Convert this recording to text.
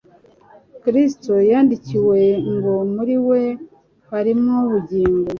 Kristo yandikiwe ngo Muri we harimw ubugingo